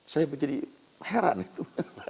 saya menjadi heran itu